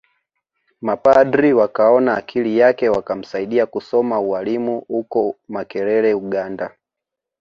Mapadre wakaona akili yake wakamsaidia kusoma ualimu uko makerere ugand